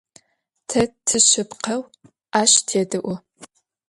Te tişsıpkheu aş têde'u.